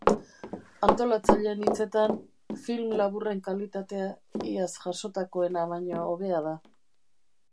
Antolatzaileen hitzetan, film laburren kalitatea iaz jasotakoena baino hobea da.